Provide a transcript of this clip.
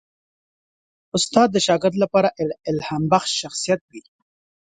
استاد د شاګرد لپاره الهامبخش شخصیت وي.